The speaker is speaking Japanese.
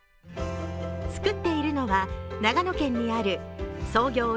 作っているのは、長野県にある創業